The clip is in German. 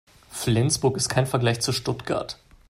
Flensburg ist kein Vergleich zu Stuttgart